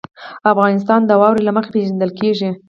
افغانستان د واوره له مخې پېژندل کېږي.